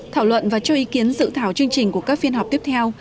thảo luận và cho ý kiến dự thảo chương trình của các phiên họp tiếp theo